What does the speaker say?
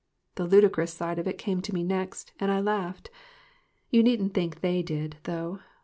The ludicrous side of it came to me next, and I laughed. You needn't think they did, though.